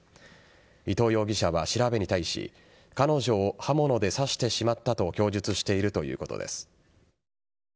伊藤容疑者は調べに対し彼女を刃物で刺してしまったと供述しているということです。